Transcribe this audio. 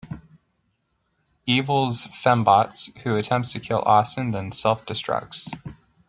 Evil's fembots, who attempts to kill Austin, then self-destructs.